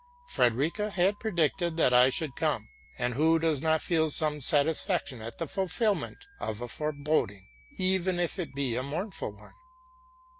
Frederica had predicted that I should come; and who does not feel some satisfaction at the fulfil ment of a foreboding, even if it be a mournful one?